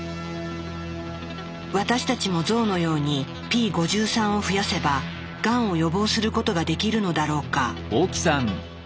私たちもゾウのようにｐ５３を増やせばがんを予防することができるのだろうか。